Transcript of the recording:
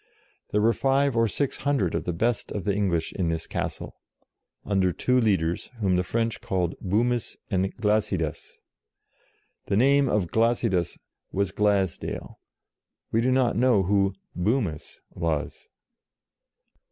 There were five or six hundred of the best of the English in this castle, under two leaders whom the French call " Bumus " and " Glasidas." The name of " Glasidas " was Glasdale ; we do not know who "Bumus" was!